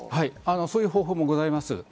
そういう方法もございます。